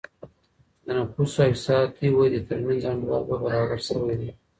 د نفوسو او اقتصادي ودي ترمنځ انډول به برابر سوی وي.